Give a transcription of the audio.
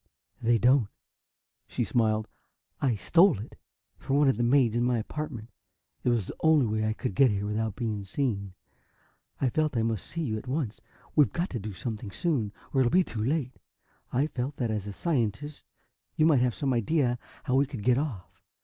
"They don't," she smiled. "I stole it! from one of the maids in my apartment. It was the only way I could get here without being seen. I felt I must see you at once. We've got to do something, soon, or it'll be too late. I felt that, as a scientist, you might have some idea how we could get off."